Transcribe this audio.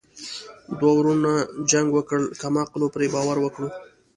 ـ دوه ورونو جنګ وکړو کم عقلو پري باور وکړو.